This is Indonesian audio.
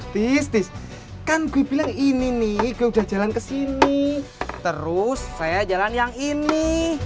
tis tis kan gue bilang ini nih gue udah jalan ke sini terus saya jalan yang ini